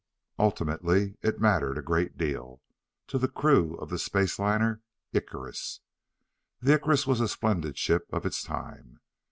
Ultimately, it mattered a great deal to the crew of the space liner Icarus. The Icarus was a splendid ship of its time.